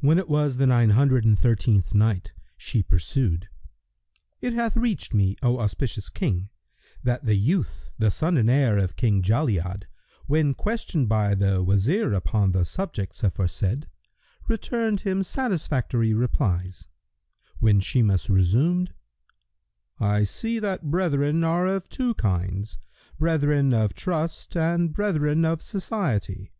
When it was the Nine Hundred and Thirteenth Night, She pursued: It hath reached me, O auspicious King, that the youth, the son and heir of King Jali'ad, when questioned by the Wazir upon the subjects aforesaid, returned him satisfactory replies; when Shimas resumed, "I see that brethren are of two kinds, brethren of trust and brethren of society.